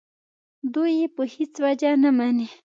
دوی یې په هېڅ وجه نه مني.